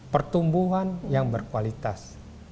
pertumbuhan yang berkualitas